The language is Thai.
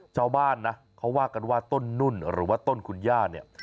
ชาวบ้านนะเขาว่ากันว่าต้นนุ่นหรือว่าต้นคุณย่าเนี่ย